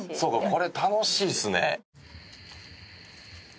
これ楽しいっすね」